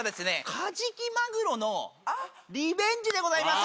カジキマグロのリベンジでございます。